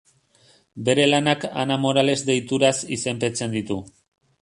Bere lanak Ana Morales deituraz izenpetzen ditu.